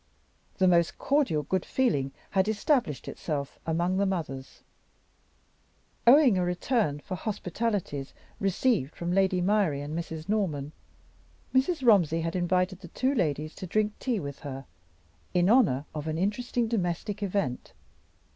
The most cordial good feeling had established itself among the mothers. Owing a return for hospitalities received from Lady Myrie and Mrs. Norman, Mrs. Romsey had invited the two ladies to drink tea with her in honor of an interesting domestic event.